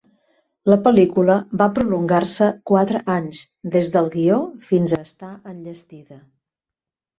La pel·lícula va prolongar-se quatre anys, des del guió fins a estar enllestida.